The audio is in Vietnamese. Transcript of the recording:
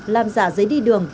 làm giả giấy đi đường